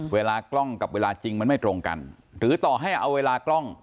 เวลากล้องกับเวลาจริงมันไม่ตรงกันหรือต่อให้เอาเวลากล้อง